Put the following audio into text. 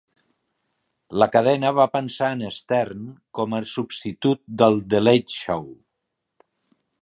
La cadena va pensar en Stern com a substitut del "The Late Show".